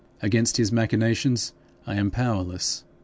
Against his machinations I am powerless.